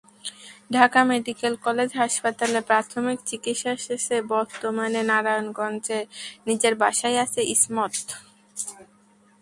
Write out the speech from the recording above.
Dhaka medical college হাসপাতালে প্রাথমিক চিকিৎসা শেষে বর্তমানে নারায়ণগঞ্জে নিজের বাসায় আছেন ইসমত।